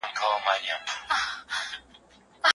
ولي زیارکښ کس د با استعداده کس په پرتله خنډونه ماتوي؟